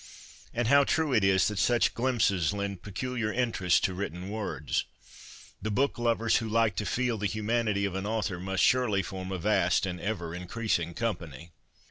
And how true it is that such glimpses lend peculiar interest to written words ! The book lovers who like to feel the humanity of an author must surely form a vast and ever increasing com pany.